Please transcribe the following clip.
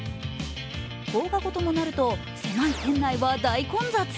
放課後ともなると、狭い店内は大混雑。